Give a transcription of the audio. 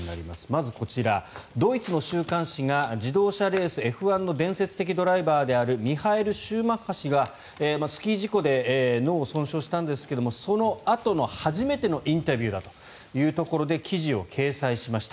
まずこちら、ドイツの週刊誌が自動車レースＦ１の伝説的ドライバーであるミハエル・シューマッハ氏がスキー事故で脳を損傷したんですがそのあとの初めてのインタビューだというところで記事を掲載しました。